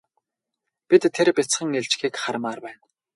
Бид тэр бяцхан илжгийг хармаар байна.